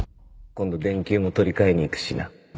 今度電球も取り換えに行くしな。